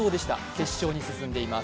決勝に進んでいます。